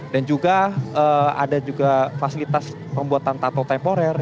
dan juga ada juga fasilitas pembuatan tato temporer